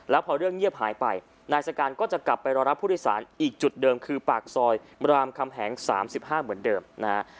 แล้วพอเรื่องเงียบหายไปนายสการก็จะกลับไปรอรับผู้โดยสารอีกจุดเดิมคือปากซอยรามคำแหง๓๕เหมือนเดิมนะฮะ